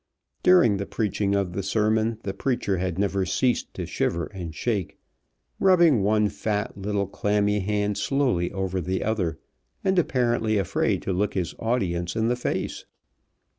During the preaching of the sermon the preacher had never ceased to shiver and shake, rubbing one fat little clammy hand slowly over the other, and apparently afraid to look his audience in the face.